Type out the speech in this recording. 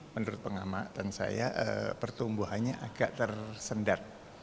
menurut pengamatan saya pertumbuhannya agak tersendat